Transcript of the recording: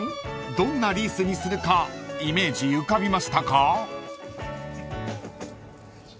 どんなリースにするかイメージ浮かびましたか？］